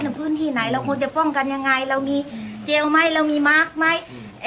ในพื้นที่ไหนเราควรจะป้องกันยังไงเรามีเจลไหมเรามีมาร์คไหม